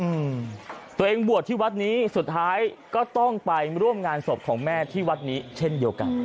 อืมตัวเองบวชที่วัดนี้สุดท้ายก็ต้องไปร่วมงานศพของแม่ที่วัดนี้เช่นเดียวกัน